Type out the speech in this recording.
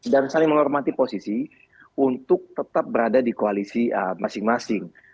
dan saling menghormati posisi untuk tetap berada di koalisi masing masing